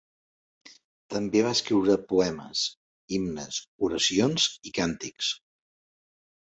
També va escriure poemes, himnes, oracions i càntics.